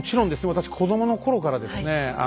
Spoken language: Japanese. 私子どもの頃からですね